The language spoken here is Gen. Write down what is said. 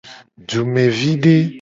Dumevide.